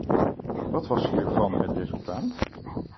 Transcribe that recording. Wat was hiervan het resultaat?